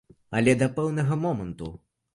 Але да пэўнага моманту.